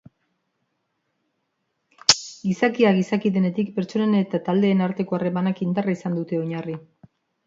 Gizakia gizaki denetik pertsonen eta taldeen arteko harremanak indarra izan dute oinarri.